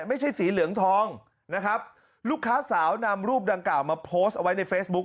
ไม่ใช่สีเหลืองทองนะครับลูกค้าสาวนำรูปดังกล่าวมาโพสต์เอาไว้ในเฟซบุ๊ค